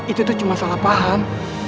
itu tuh cuma salah paham